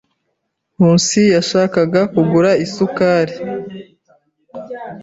Nkusi yashakaga kugura isukari.